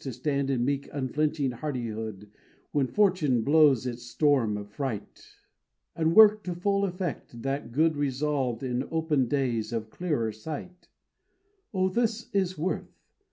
To stand in meek unflinching hardihood When fortune blows its storm of fright, And work to full effect that good Resolved in open days of clearer sight O, this is worth!